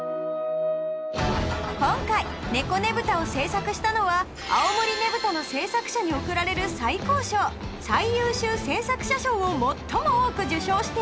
今回猫ねぶたを制作したのは青森ねぶたの制作者に贈られる最高賞最優秀制作者賞を最も多く受賞している